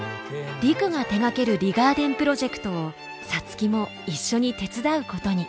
陸が手がけるリガーデンプロジェクトを皐月も一緒に手伝うことに。